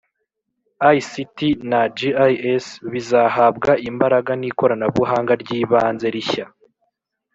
ict na gis bizahabwa imbaraga nk'ikoranabuhanga ry'ibanze rishya